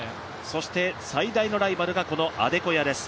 そして最大のライバルがこのアデコヤです。